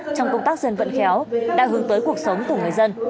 trong công tác dân vận khéo đã hướng tới cuộc sống của người dân